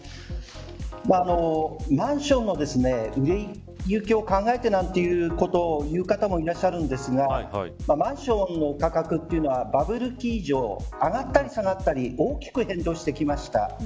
マンションの売れ行きを考えてということをいう方もいらっしゃるんですがマンションの価格というのはバブル期以上、上がったり下がったり大きく変動してきました。